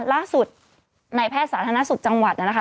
ล่าสุดในแพทย์สาธารณสุขจังหวัดนะคะ